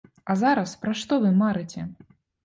А зараз пра што вы марыце?